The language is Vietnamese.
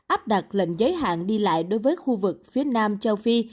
áp đặt lệnh giới hạn đi lại đối với khu vực phía nam châu phi